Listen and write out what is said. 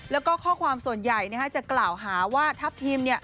แล้วก็ข้อความส่วนใหญ่จะกล่าวหาว่าทัพทิม